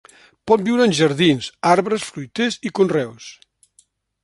Pot viure en jardins, arbres fruiters i conreus.